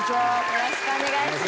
よろしくお願いします。